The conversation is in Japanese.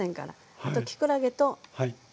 あときくらげと。